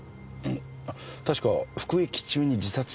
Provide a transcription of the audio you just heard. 確か服役中に自殺した。